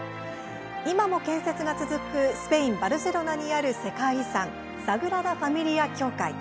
今も建設が続くスペインバルセロナにある世界遺産サグラダ・ファミリア教会。